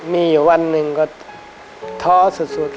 มีอยู่วันหนึ่งก็ท้อสุด